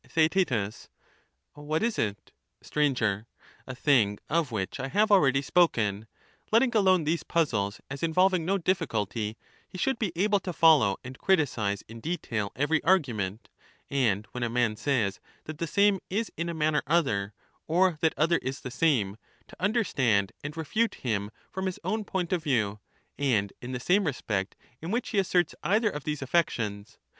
Theaet. What is it? Str. A thing of which I have already spoken ;— letting alone these puzzles as involving no difficulty, he should be able to follow and criticize in detail every argument, and when a man says that the same is in a manner other, or that other is the same, to understand and refute him from his own point of view, and in the same respect in which he asserts Digitized by VjOOQIC The nature of discourse. 395 either of these affections.